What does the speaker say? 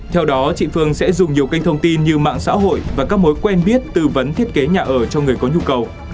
theo đó chị phương sẽ dùng nhiều kênh thông tin như mạng xã hội và các mối quen biết tư vấn thiết kế nhà ở cho người có nhu cầu